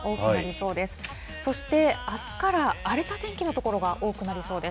そしてあすから荒れた天気の所が多くなりそうです。